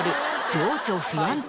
『情緒不安定』。